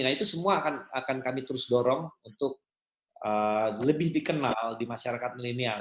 nah itu semua akan kami terus dorong untuk lebih dikenal di masyarakat milenial